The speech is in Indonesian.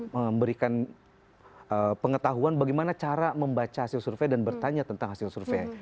memberikan pengetahuan bagaimana cara membaca hasil survei dan bertanya tentang hasil survei